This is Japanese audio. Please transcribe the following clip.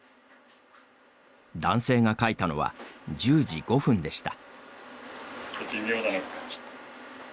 男性が描いたのは１０時５分でした。